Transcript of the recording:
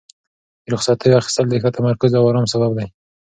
د رخصتیو اخیستل د ښه تمرکز او ارام سبب دی.